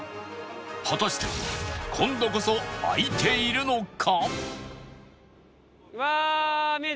果たして今度こそ開いているのか？